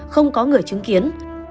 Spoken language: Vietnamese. không có người chứng kiến